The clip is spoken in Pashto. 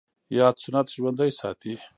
ياد سنت ژوندی ساتي